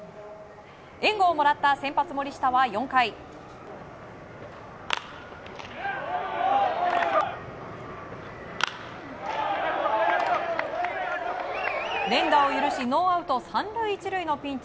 援護をもらった先発、森下は４回連打を許しノーアウト３塁１塁のピンチ。